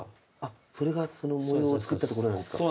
それがその模様を作ったところなんですか。